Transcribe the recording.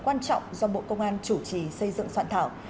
quan trọng do bộ công an chủ trì xây dựng soạn thảo